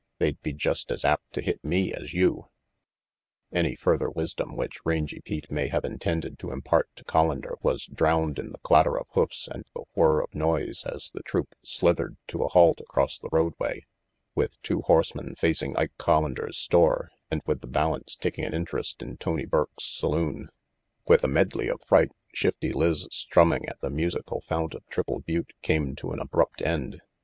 They'd be just as apt to hit me as you Any further wisdom which Rangy Pete may have intended to impart to Collander was drowned in the clatter of hoofs and the whir of noise as the troupe slithered to a halt across the roadway, with two horsemen facing Ike Collander's store and with the balance taking an interest in Tony Burke's saloon. With a medley of fright, Shifty Lizz' strumming at the musical fount of Triple Butte came to an abrupt end.